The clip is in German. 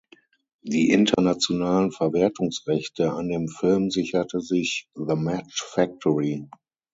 Die internationalen Verwertungsrechte an dem Film sicherte sich The Match Factory.